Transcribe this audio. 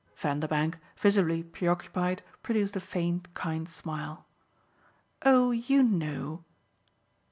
Vanderbank, visibly preoccupied, produced a faint kind smile. "Oh you KNOW!"